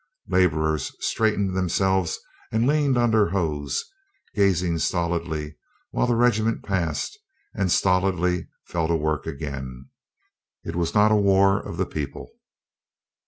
Laborers straight ened themselves and leaned on their hoes, gazing stolidly while the regiment passed and stolidly fell to work again. It was not a war of the people.